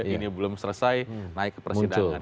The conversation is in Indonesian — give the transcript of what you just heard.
ini belum selesai naik ke persidangan